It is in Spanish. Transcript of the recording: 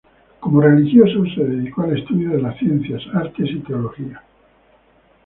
Como religioso se dedicó al estudio de las Ciencias, Artes y Teología.